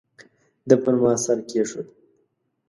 ده پر ما سر کېښود.